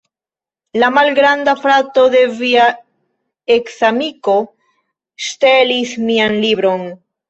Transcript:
La malgranda frato de via eksamiko ŝtelis mian libron